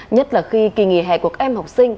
nhất là khi kỳ nghỉ hẹ cuộc em học sinh